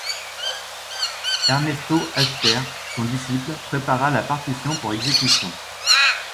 Ernesto Halffter, son disciple, prépara la partition pour exécution.